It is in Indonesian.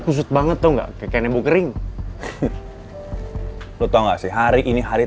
kalian akan miha tiga rindrings pada titik ke shrine